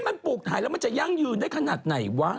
มันปลูกถ่ายแล้วมันจะยั่งยืนได้ขนาดไหนวะ